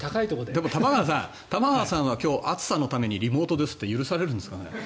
でも、玉川さんは今日暑さのためにリモートですって許されるんですかね。